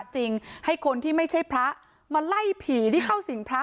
เจ้า